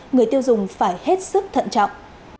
người tiêu dùng phải hết sức thận trọng